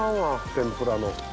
天ぷらの。